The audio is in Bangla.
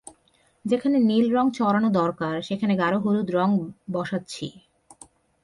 যেখানে নীল রঙ চড়ানো দরকার, সেখানে গাঢ় হলুদ রঙ ব্যসাচ্ছি।